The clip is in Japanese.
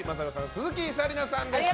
鈴木紗理奈さんでした。